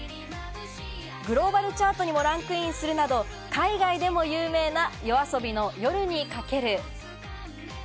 グローバルチャートにもランクインするなど海外でも有名なＹＯＡＳＯＢＩの『夜に駆ける』。